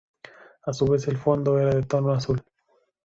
A su vez el fondo era de un tono azul.